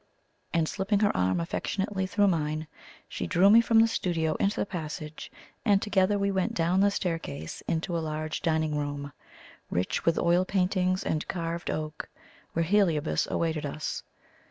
And slipping her arm affectionately through mine, she drew me from the studio into the passage, and together we went down the staircase into a large dining room, rich with oil paintings and carved oak, where Heliobas awaited us.